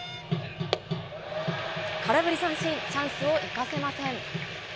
空振り三振、チャンスを生かせません。